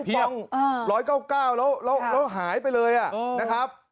ที่ขายคูปอง๑๙๙แล้วหายไปเลยนะครับ